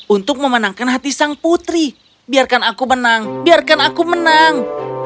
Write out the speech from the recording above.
untuk memenangkan hati sang putri biarkan aku menang biarkan aku menang